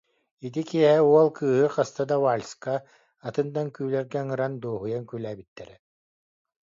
Ити киэһэ уол кыыһы хаста да вальска, атын да үҥкүүлэргэ ыҥыран дуоһуйа үҥкүүлээбиттэрэ